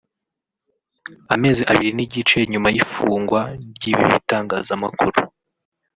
Amezi abiri n’igice nyuma y’ifungwa ry’ibi bitangazamakuru